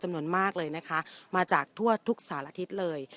จำนวนมากเลยนะคะมาจากทั่วทุกสารทิศเลย